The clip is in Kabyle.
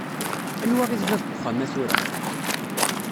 Anwa i d bab n wexxam-a tura?